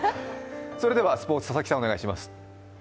それではスポーツ、佐々木さんお願いします。